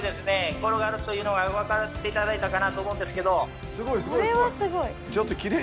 転がるというのがわかっていただいたかなと思うんですけどこれはすごい！